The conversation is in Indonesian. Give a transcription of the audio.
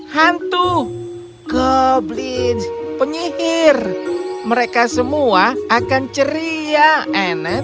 hantu goblin penyihir mereka semua akan ceria anet